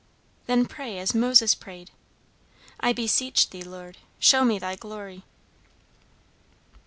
"Then pray as Moses prayed, 'I beseech thee, show me thy glory.'"